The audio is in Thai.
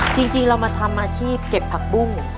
จริงเรามาทำอาชีพเก็บผักบุ้ง